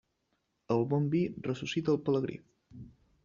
El bon vi ressuscita el pelegrí.